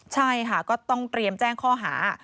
ใช่ค่ะก็ต้องเตรียมแจ้งข้อหา